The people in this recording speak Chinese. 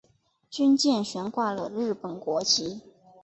军舰悬挂了日本国旗。